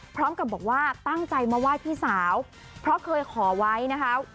พร้อมกับบอกว่าตั้งใจมาไหว้พี่สาวเพราะเคยขอไว้นะคะ